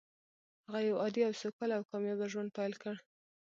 هغه يو عادي او سوکاله او کامياب ژوند پيل کړ.